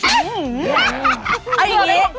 เราคนเดียวกัน